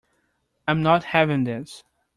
I'm not having this.